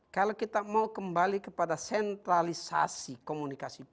kalau kita mau kembali kepada sentralisasi komunikasi politik